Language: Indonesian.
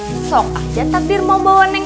enak ya hidup orang